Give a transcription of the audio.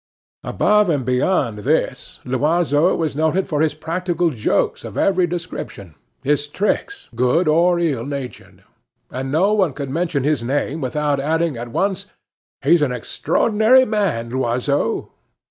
Above and beyond this, Loiseau was noted for his practical jokes of every description his tricks, good or ill natured; and no one could mention his name without adding at once: "He's an extraordinary man Loiseau."